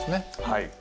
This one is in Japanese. はい。